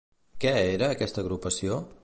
Què era aquesta agrupació?